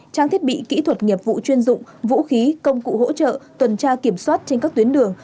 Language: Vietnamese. trang thiết bị kỹ thuật nghiệp vụ chuyên dụng vũ khí công cụ hỗ trợ tuần tra kiểm soát trên các tuyến đường